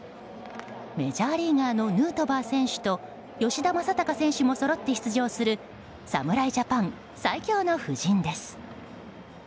メジャーリーガーのヌートバー選手と吉田正尚選手もそろって出場する侍ジャパン最強の布陣です。